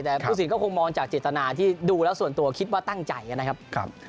แต่ผู้สินก็คงมองจากเจตนาที่ดูแล้วส่วนตัวคิดว่าตั้งใจนะครับ